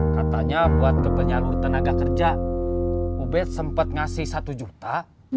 katanya buat ke penyalur tenaga kerja ubed sempat ngasih satu juta